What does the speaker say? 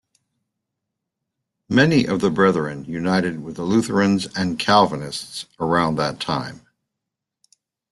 Many of the Brethren united with the Lutherans and Calvinists around that time.